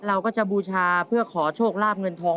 เราก็จะบูชาเพื่อขอโชคลาบเงินทอง